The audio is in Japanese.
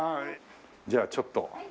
じゃあちょっと。